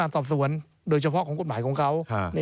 สอบสวนโดยเฉพาะของกฎหมายของเขา